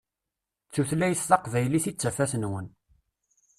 D tutlayt taqbaylit i tafat-nwen.